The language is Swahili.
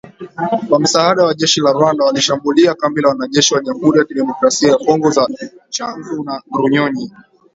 Kwa msaada wa jeshi la Rwanda, walishambulia kambi la Wanajeshi wa Jamhuri ya Kidemokrasia ya Kongo za Tchanzu na Runyonyi.